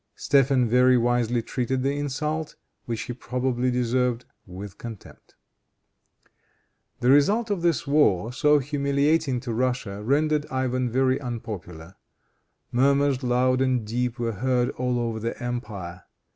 Stephen very wisely treated the insult, which he probably deserved, with contempt. The result of this war, so humiliating to Russia, rendered Ivan very unpopular. Murmurs loud and deep were heard all over the empire.